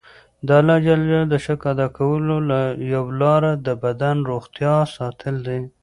د الله ج د شکر ادا کولو یوه لاره د بدن روغتیا ساتل دي.